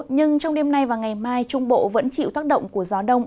nhưng trong đêm nay và ngày mai trung bộ vẫn chịu tác động của gió đông